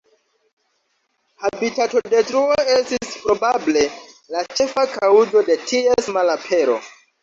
Habitatodetruo estis probable la ĉefa kaŭzo de ties malapero.